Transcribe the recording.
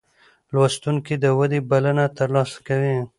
لوستونکی د ودې بلنه ترلاسه کوي.